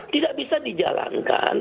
tidak bisa dijalankan